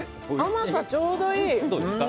甘さちょうどいい！